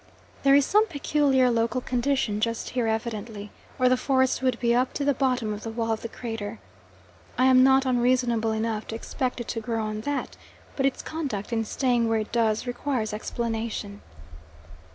There is some peculiar local condition just here evidently, or the forest would be up to the bottom of the wall of the crater. I am not unreasonable enough to expect it to grow on that, but its conduct in staying where it does requires explanation.